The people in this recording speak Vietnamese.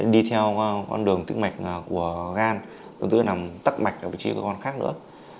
đi theo con đường tí mạch của gan tí mạch cửa nằm tắc mạch ở vị trí của con khác nữa